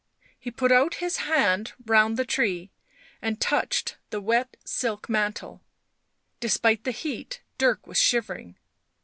He put out his hand round the tree and touched the wet silk mantle; despite the heat Dirk was shivering.